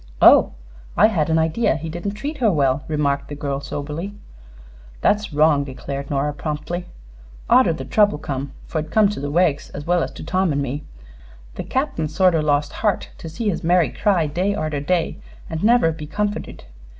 "Oh. I had an idea he didn't treat her well," remarked the girl, soberly. "That's wrong," declared Nora, promptly. "Arter the trouble come fer it come to the Weggs as well as to Tom an' me the Cap'n sort o' lost heart to see his Mary cry day arter day an' never be comforted.